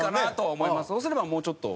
そうすればもうちょっと。